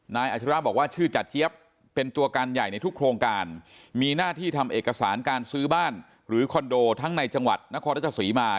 อาชิระบอกว่าชื่อจัดเจี๊ยบเป็นตัวการใหญ่ในทุกโครงการมีหน้าที่ทำเอกสารการซื้อบ้านหรือคอนโดทั้งในจังหวัดนครราชสีมา